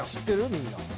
みんな。